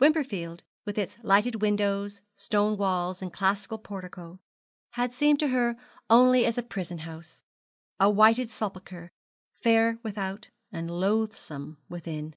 Wimperfield with its lighted windows, stone walls, and classic portico, had seemed to her only as a prison house, a whited sepulchre, fair without and loathsome within.